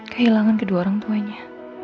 kehilangan kedua orang tuanya